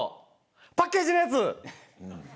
パッケージのやつ。